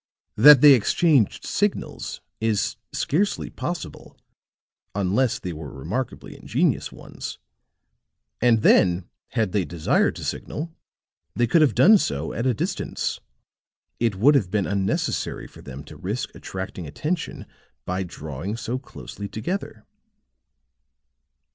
That they exchanged signals is scarcely possible, unless they were remarkably ingenious ones. And then, had they desired to signal, they could have done so at a distance; it would have been unnecessary for them to risk attracting attention by drawing so closely together."